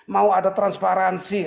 mau ada transparansi